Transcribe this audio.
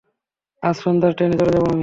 আজ সন্ধ্যার ট্রেনে চলে যাব আমি।